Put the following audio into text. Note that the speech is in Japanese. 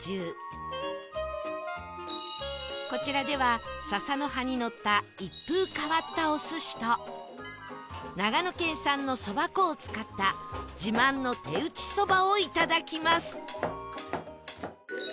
こちらでは笹の葉にのった一風変わったお寿司と長野県産のそば粉を使った自慢の手打ち蕎麦をいただきます